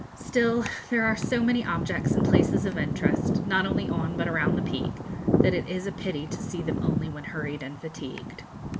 Still, there are so many objects and places of interest, not only on, but around, the Peak, that it is a pity to see them only when hurried and fatigued.